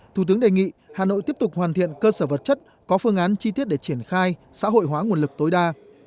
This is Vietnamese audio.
thủ tướng đề nghị hà nội tiếp tục hoàn thiện cơ sở vật chất có phương án chi tiết để triển khai xã hội hóa nguồn lực tối đa